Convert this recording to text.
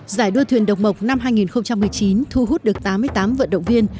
giải đua thuyền độc mộc năm hai nghìn một mươi chín thu hút được tám mươi tám vận động viên